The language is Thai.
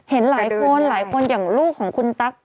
เห็นหลายคนหลายคนอย่างลูกของคุณตั๊ก